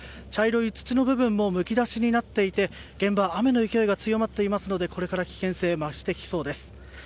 土の部分もむき出しで現場は雨の勢いが強まっていますのでこれから、危険性が増してきそうです。